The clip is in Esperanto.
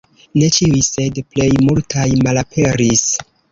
Ne ĉiuj, sed plej multaj malaperis.